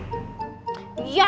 mas rendy yang nyuruh